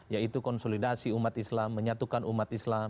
yaitu konsolidasi umat islam menyatukan umat islam